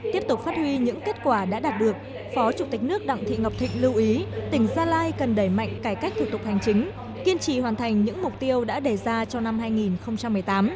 tiếp tục phát huy những kết quả đã đạt được phó chủ tịch nước đặng thị ngọc thịnh lưu ý tỉnh gia lai cần đẩy mạnh cải cách thủ tục hành chính kiên trì hoàn thành những mục tiêu đã đề ra cho năm hai nghìn một mươi tám